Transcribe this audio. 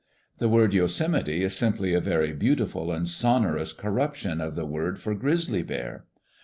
The word Yosemite is simply a very beautiful and sonorous corruption of the word for grizzly bear.